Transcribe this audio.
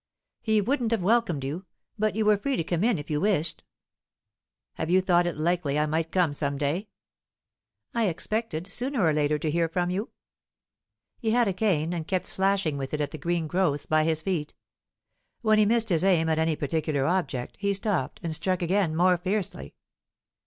"He wouldn't have welcomed you; but you were free to come in if you wished." "Have you thought it likely I might come some day?" "I expected, sooner or later, to hear from you." He had a cane, and kept slashing with it at the green growths by his feet. When he missed his aim at any particular object, he stopped and struck again, more fiercely.